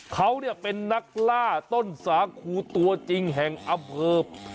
เขาเป็นนักล่าต้นสาคูตัวจริงแห่งอำเภอ